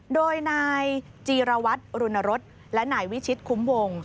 โดยนายจีรวัตรรุณรสและนายวิชิตคุ้มวง